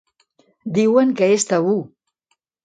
Diuen que és tabú.